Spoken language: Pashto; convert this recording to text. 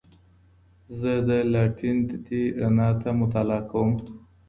زه د لالټین تتې رڼا ته مطالعه کوم.